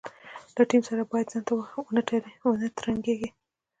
له ټیم سره باید ځانته ونه ترنګېږي.